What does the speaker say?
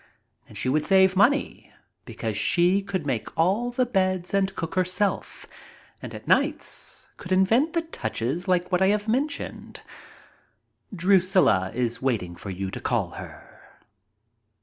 And she would save money because she could make all the beds and cook herself and at nights could invent the touches like what I have mentioned. Drusilla is waiting for you to call her.